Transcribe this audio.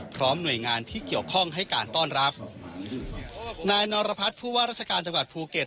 พร้อมหน่วยงานที่เกี่ยวข้องให้การต้อนรับนายนรพัฒน์ผู้ว่าราชการจังหวัดภูเก็ต